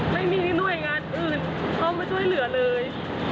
ไม่มีหน่วยงานอื่นเข้ามาช่วยเหลือเลย